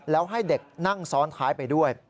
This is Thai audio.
แล้วให้เด็กนั่งซ้อนท้ายไปด้วย